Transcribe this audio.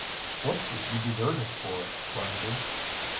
"What did you desert us for, Grinder?"